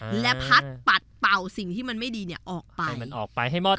และพัดปัดเป่าสิ่งที่มันไม่ดีเนี่ยออกไปให้มันออกไปให้มอด